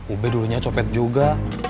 ubed dulunya copet juga